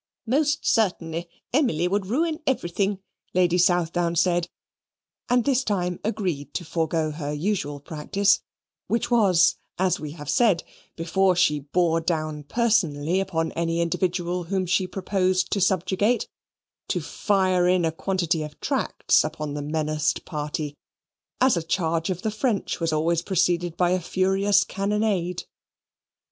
"Most certainly, Emily would ruin everything," Lady Southdown said; and this time agreed to forego her usual practice, which was, as we have said, before she bore down personally upon any individual whom she proposed to subjugate, to fire in a quantity of tracts upon the menaced party (as a charge of the French was always preceded by a furious cannonade).